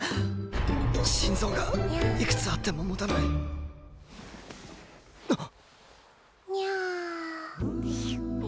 心臓がいくつあってももたないにゃ。